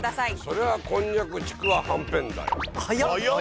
それはこんにゃく、ちくわ、はんぺんだよ。